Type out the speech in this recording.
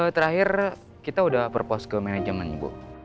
terakhir kita udah purpose ke manajemen bu